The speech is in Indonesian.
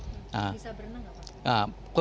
bisa berenang tidak pak